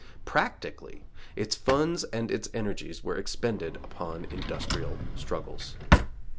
Practically its funds and its energies were expended upon industrial struggles.